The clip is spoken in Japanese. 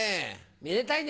めでたいね！